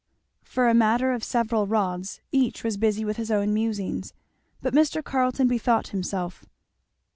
For a matter of several rods each was busy with his own musings. But Mr. Carleton bethought himself.